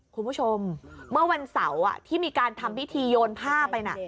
คุณผู้ชมเมื่อวันเสาร์ที่มีการทำพิธีโยนผ้าไปน่ะ